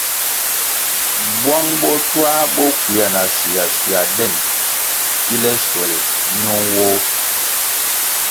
Bwang bo twā bo kwea na shua shua den kile shuel ño nwoh.